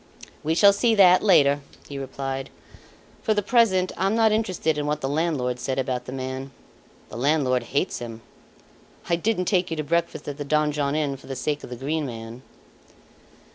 "We shall see that, later," he replied. "For the present I'm not interested in what the landlord said about the man. The landlord hates him. I didn't take you to breakfast at the Donjon Inn for the sake of the Green Man."